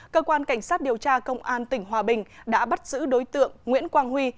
cơ quan cảnh sát điều tra công an tỉnh hòa bình đã bắt giữ đối tượng nguyễn quang huy